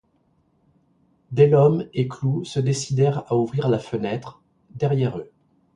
Delhomme et Clou se décidèrent à ouvrir la fenêtre, derrière eux.